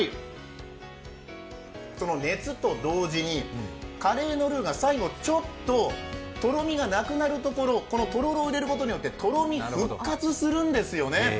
熱と同時に、カレーのルーが最後、ちょっととろみがなくなるところ、とろろを入れることによってとろみが復活するんですよね。